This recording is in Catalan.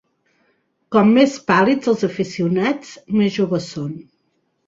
Com més pàl·lids els aficionats, més joves són.